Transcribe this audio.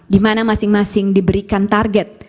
dimana masing masing diberikan target